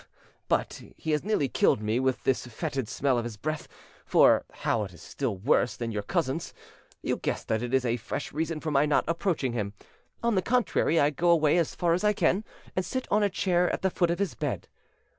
But he has nearly killed me with the fetid smell of his breath; for now his is still worse than your cousin's: you guess that this is a fresh reason for my not approaching him; on the contrary, I go away as far as I can, and sit on a chair at the foot of his bed.